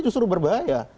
karena itu justru berbahaya